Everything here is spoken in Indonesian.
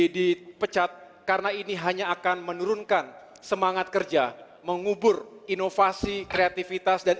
dipecat karena ini hanya akan menurunkan semangat kerja mengubur inovasi kreativitas dan